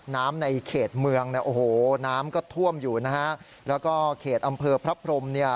น้ำในเขตเมืองพวกเขตอำเภอพระพรม